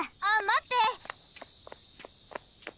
あっまって！